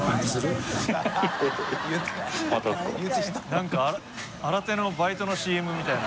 何か新手のバイトのＣＭみたいな。